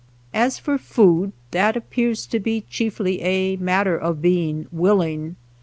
As for food, that appears to be chiefly a / matter of being willing.